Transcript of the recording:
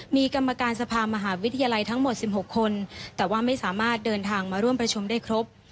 มีกรรมการสภามหาวิทยาลัยทั้งหมด๑๖คนแต่ว่าไม่สามารถเดินทางมาร่วมประชุมได้ครบ